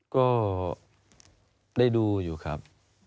ก็ได้ดูอยู่ครับ